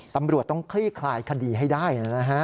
ตำรวจต้องคลี่คลายคดีให้ได้นะฮะ